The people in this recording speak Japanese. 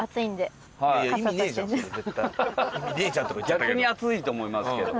逆に暑いと思いますけど。